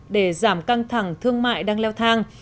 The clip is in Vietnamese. để giảm căng thẳng thương mại đang leo thang